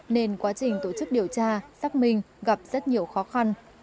nên quá trình tổ chức điều tra xác minh gặp rất nhiều khó khăn